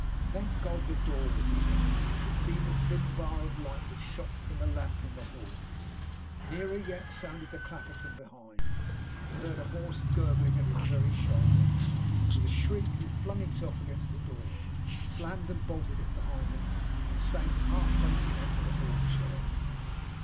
Thank God, the door was ajar. He could see the thin bar of light which shot from the lamp in the hall. Nearer yet sounded the clatter from behind. He heard a hoarse gurgling at his very shoulder. With a shriek he flung himself against the door, slammed and bolted it behind him, and sank half fainting on to the hall chair.